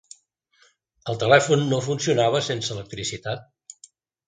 El telèfon no funcionava sense electricitat.